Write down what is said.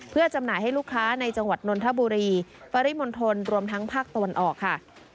เพื่อจำหน่ายให้ลูกค้าในจังหวัดนนทบุรีปริมณฑลรวมทั้งภาคตะวันออกค่ะ